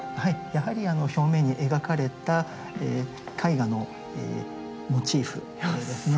やはり表面に描かれた絵画のモチーフですね。